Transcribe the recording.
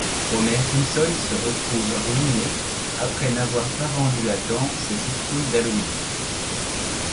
Homer Simpson se retrouve ruiné après n'avoir pas vendu à temps ses citrouilles d'Halloween.